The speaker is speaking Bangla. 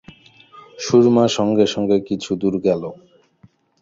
সুরমা সঙ্গে সঙ্গে কিছুদূর গেল।